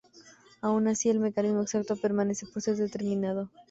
Aun así, el mecanismo exacto permanece por ser determinado.